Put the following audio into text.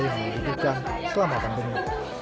yang belum diberikan selama pandemi